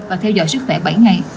và theo dõi sức khỏe bảy ngày